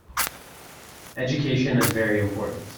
Education is very important.